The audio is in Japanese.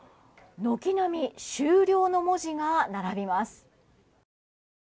軒並み終了の文字が並びます。